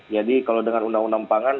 jadi kalau dengan undang undang pangan